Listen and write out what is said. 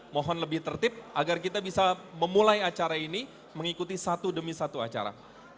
mohon lebih tertib agar kita bisa memulai acara ini mengikuti satu demi satu acara